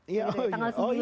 iya iya betul betul